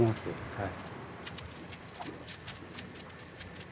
はい。